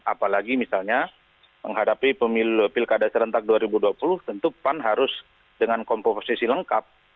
apalagi misalnya menghadapi pemilu pilkada serentak dua ribu dua puluh tentu pan harus dengan komposisi lengkap